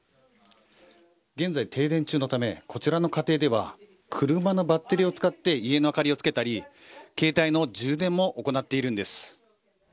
現在、停電中のため、こちらの家庭では、車のバッテリーを使って家の明かりをつけたり、携帯の充電も行っているんです。